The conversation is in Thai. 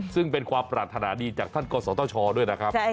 ซึ่งเป็นความปรารถนาดีจากท่านกศตชด้วยนะครับ